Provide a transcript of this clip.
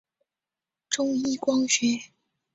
中一光学。